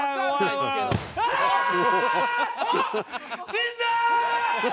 死んだ！